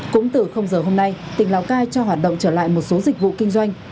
cũng từ giờ hôm nay tỉnh lào cai cho hoạt động trở lại một số dịch vụ kinh doanh